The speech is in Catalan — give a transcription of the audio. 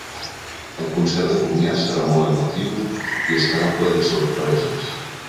El concert de comiat serà molt emotiu i estarà ple de sorpreses.